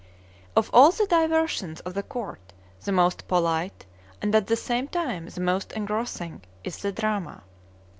Of all the diversions of the court the most polite, and at the same time the most engrossing, is the drama.